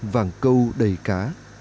vàng câu đầy cá